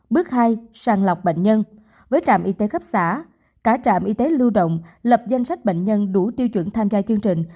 bước hai sàng lọc bệnh nhân với trạm y tế khắp xã cả trạm y tế lưu động lập danh sách bệnh nhân đủ tiêu chuẩn tham gia chương trình